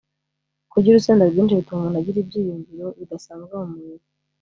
Kurya urusenda rwinshi bituma umuntu agira ibyiyumviro bidasanzwe mu mubiri